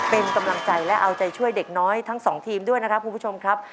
เป็นกำลังใจและเอาใจช่วยเด็กน้อยทั้งสองทีมด้วยนะครับคุณผู้ชมครับ